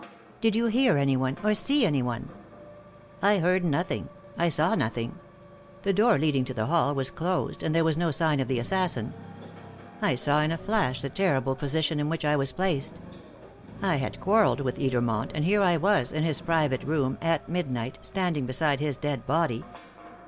"Did you hear anyone, or see anyone?" "I heard nothing, I saw nothing. The door leading to the hall was closed, and there was no sign of the assassin. I saw in a flash the terrible position in which I was placed. I had quarrelled with Edermont, and here I was, in his private room at midnight, standing beside his dead body.